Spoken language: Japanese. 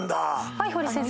はい堀井先生。